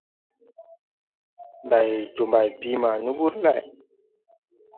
Ndày jo mbày bii ma ni wur lay ?